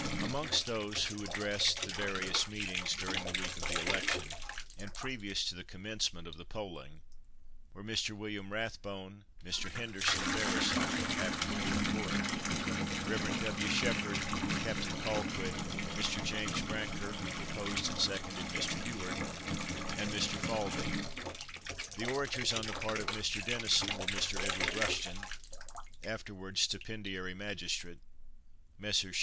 Amongst those who addressed the various meetings during the week of the election, and previous to the commencement of the polling, were Mr. William Rathbone, Mr. Henderson, barrister (afterwards recorder), Rev. W. Shepherd, Captain Colquitt, Mr. James Brancker (who proposed and seconded Mr. Ewart), and Mr. Falvey. The orators on the part of Mr. Denison were, Mr. Edward Rushton (afterwards stipendiary magistrate), Messrs.